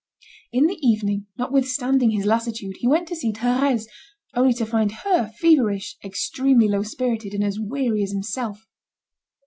In the evening, notwithstanding his lassitude, he went to see Thérèse, only to find her feverish, extremely low spirited, and as weary as himself.